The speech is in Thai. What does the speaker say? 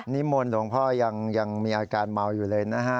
มนต์หลวงพ่อยังมีอาการเมาอยู่เลยนะฮะ